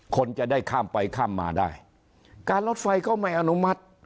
คนจะได้ข้ามไปข้ามมาได้การรถไฟก็ไม่อนุมัติ